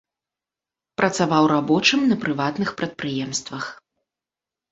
Працаваў рабочым на прыватных прадпрыемствах.